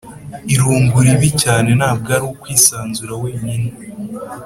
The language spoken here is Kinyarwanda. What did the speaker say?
irungu ribi cyane ntabwo ari ukwisanzura wenyine.